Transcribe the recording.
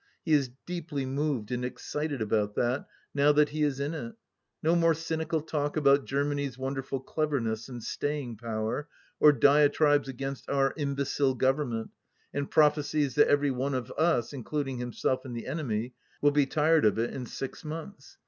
He is deeply moved and excited about that, now that he is in it. No more cynical talk about Germany's wonderful cleverness and staying power, or diatribes against Our Imbecile Government, and prophecies that every one of us, including himself and the enemy, will be tired of it in six months.